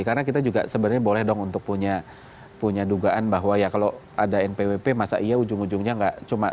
karena kita juga sebenarnya boleh dong untuk punya dugaan bahwa ya kalau ada npwp masa iya ujung ujungnya gak cuma